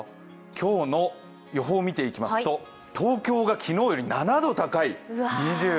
今日の予報を見ていきますと東京が昨日より７度高い２７度。